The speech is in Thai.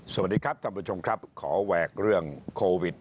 สวัสดีครับท่านผู้ชมครับขอแหวกเรื่องโควิด